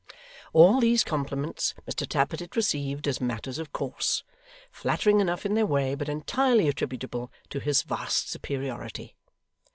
All these compliments Mr Tappertit received as matters of course flattering enough in their way, but entirely attributable to his vast superiority.